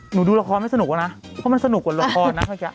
หนูดูละครไม่สนุกอะนะเพราะมันสนุกกว่าละครเนอะ